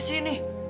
aku kan udah tau pak